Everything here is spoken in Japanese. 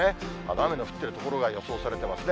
雨の降っている所が予想されていますね。